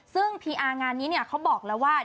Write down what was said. ซึ่งพีอาร์งานนี้เนี่ยเขาบอกแล้วว่า